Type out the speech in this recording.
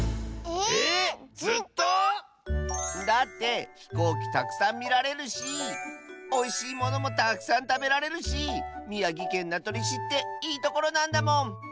ええっずっと⁉だってひこうきたくさんみられるしおいしいものもたくさんたべられるしみやぎけんなとりしっていいところなんだもん！